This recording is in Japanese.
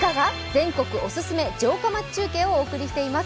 全国おすすめ城下町中継をお送りしています。